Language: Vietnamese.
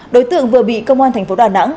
đối tượng vừa bị công an thành phố đà nẵng